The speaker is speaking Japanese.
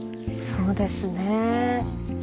そうですねえ。